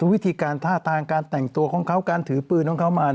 วิธีการท่าทางการแต่งตัวของเขาการถือปืนของเขามา